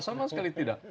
sama sekali tidak